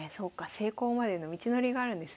成功までの道のりがあるんですね。